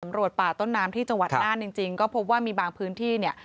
ตำรวจป่าต้นน้ำที่จังหวัดน่านจริงจริงก็พบว่ามีบางพื้นที่เนี่ย